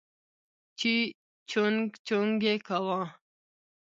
چې چونگ چونگ يې کاوه.